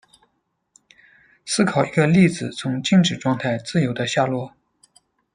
思考一个粒子从静止状态自由地下落。